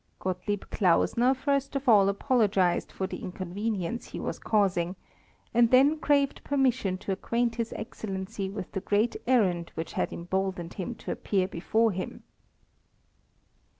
Gottlieb Klausner first of all apologized for the inconvenience he was causing, and then craved permission to acquaint his Excellency with the great errand which had emboldened him to appear before him.